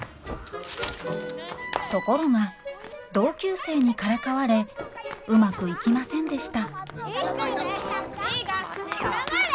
ところが同級生にからかわれうまくいきませんでした黙れ！